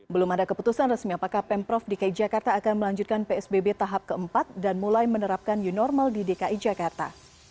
belum ada keputusan resmi apakah pemprov dki jakarta akan melanjutkan psbb tahap keempat dan mulai menerapkan new normal di dki jakarta